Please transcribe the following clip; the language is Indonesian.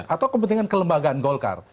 atau kepentingan kelembagaan golkar